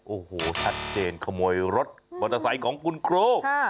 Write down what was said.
โอ้โหชัดเจนขโมยรถมอเตอร์ไซค์ของคุณครู